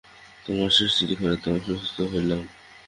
তোমার শেষ চিঠিখানিতে আশ্বস্ত হলাম।